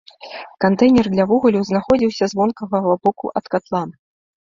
Кантэйнер для вугалю знаходзіўся з вонкавага боку ад катла.